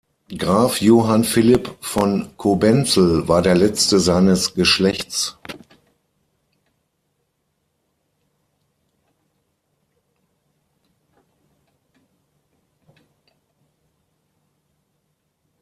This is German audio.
Graf Johann Philipp von Cobenzl war der letzte seines Geschlechts.